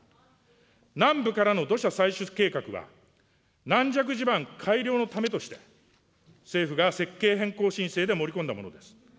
南部からの土砂採取計画は軟弱地盤改良のためとして、政府が設計変更申請で盛り込んだものです。